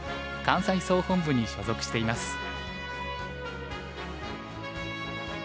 関西総本部に所属しています。